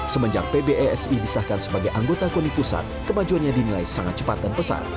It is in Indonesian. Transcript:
semenjak pbesi disahkan sebagai anggota koni pusat kemajuannya dinilai sangat cepat dan pesat